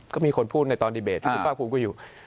ก็มีคนพูดในตอนดีเบตที่คุณภาคภูมิก็อยู่